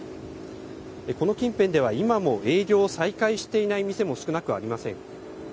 この近辺では今も営業を再開していない店も少なくありません。